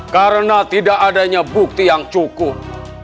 karena tidak adanya bukti yang cukup